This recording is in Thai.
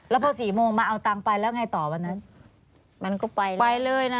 แล้วพอสี่โมงมาเอาตังค์ไปแล้วไงต่อวันนั้นมันก็ไปนะไปเลยนะ